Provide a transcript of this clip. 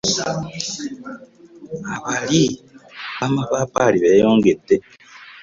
Abalyi bamapaapaali beyongedde.